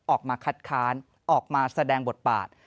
ออกมาคัดค้านออกมาแสดงบทบาท